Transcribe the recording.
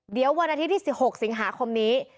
เดี๋ยววันอาทิตย์ที่๑๖สิงหาคมนี้